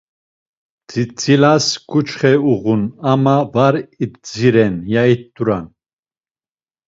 Tzitzilas ǩuçxe uğun ama var idziren ya it̆uran.